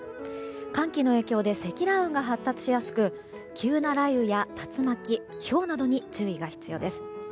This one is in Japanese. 寒気の影響で積乱雲が発達しやすく急な雷雨や竜巻、ひょうなどに注意が必要です。